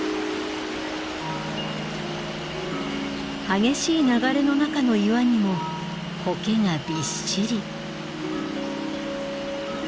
激しい流れの中の岩にもコケがびっしり。